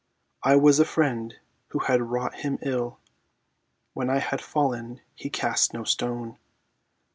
"I was a friend who had wrought him ill; When I had fallen he cast no stone